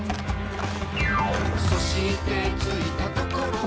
「そして着いたところは」